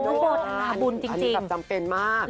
อนุโทนาบุญจริงอันนี้จำเป็นมาก